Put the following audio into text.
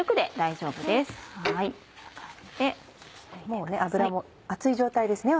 もう油も熱い状態ですね